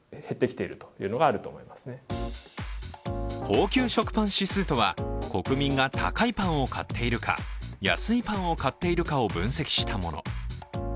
高級食パン指数とは国民が高いパンを買っているか、安いパンを買っているかを分析したもの。